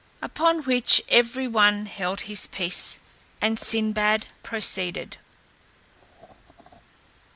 Upon which every one held his peace, and Sinbad proceeded.